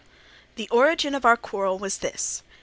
"The origin of our quarrel was this.